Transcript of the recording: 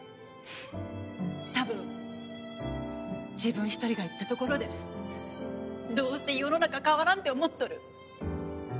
たぶん自分一人が言ったところでどうせ世の中変わらんって思っとる。